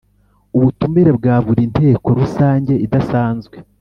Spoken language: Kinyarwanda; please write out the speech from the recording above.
Ubutumire bwa buri nteko rusange idasanzwe